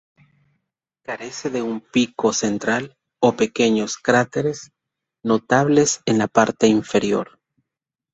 Carece de un pico central o pequeños cráteres notables en la parte inferior.